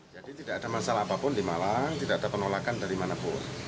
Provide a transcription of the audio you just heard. jadi tidak ada masalah apapun di malang tidak ada penolakan dari manapun